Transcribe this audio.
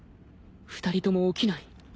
２人とも起きない。